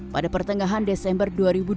pada pertengahan desember dua ribu dua puluh